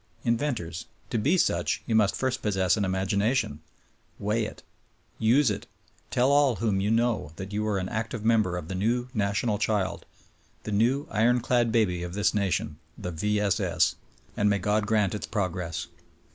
Inventors, to be such you must first possess an imagination. Weigh it ; use it — tell all whom you know that you are an active member of the new national child — ^the new iron clad baby of this nation — the V. S. S. ! And may God grant its progress.